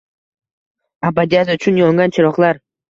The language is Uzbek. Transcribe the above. Abadiyat uchun yongan chiroqlar.